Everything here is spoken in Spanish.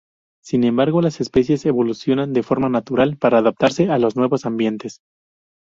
Sin embargo las especies evolucionan de forma natural para adaptarse a los nuevos ambientes.